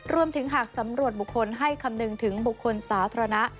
หากสำรวจบุคคลให้คำนึงถึงบุคคลสาธารณะ